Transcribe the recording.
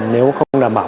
nếu không đảm bảo